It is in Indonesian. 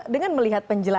dengan melihat penyelidikan